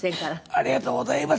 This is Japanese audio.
ありがとうございます。